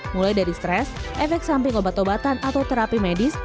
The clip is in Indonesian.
mulai dari stres efek samping obat obatan atau terapi medis